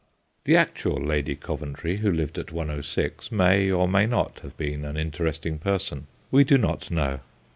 The actual Lady Coventry who lived at 106 may or may not have been an interest ing person : we do not know.